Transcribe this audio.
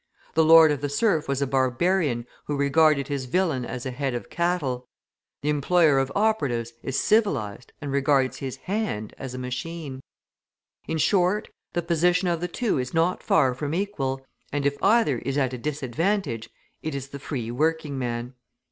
The lord of the serf was a barbarian who regarded his villain as a head of cattle; the employer of operatives is civilised and regards his "hand" as a machine. In short, the position of the two is not far from equal, and if either is at a disadvantage, it is the free working man.